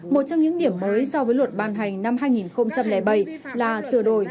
một trong những điểm mới so với luật ban hành năm hai nghìn bảy là sửa đổi